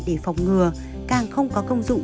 để phòng ngừa càng không có công dụng